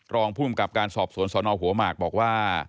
รองภูมิกับการสอบสวนสนหัวหมากบอกว่า